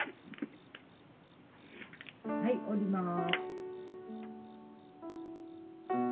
はい下ります。